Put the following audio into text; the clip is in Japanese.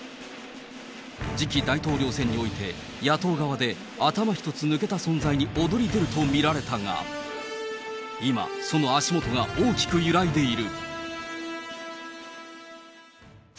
次期大統領選において野党側で頭一つ抜けた存在に躍り出ると見られたが、今、その足元が大きく揺らいでいる。